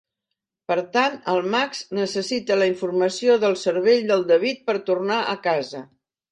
Per tant, el Max necessita la informació del cervell del David per tornar a casa.